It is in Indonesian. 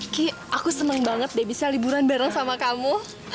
ki aku seneng banget deh bisa liburan bareng sama kamu